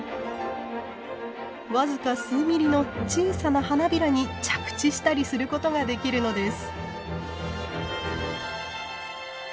僅か数ミリの小さな花びらに着地したりすることができるのです。